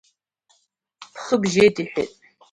Бхы бжьеит, – иҳәеит…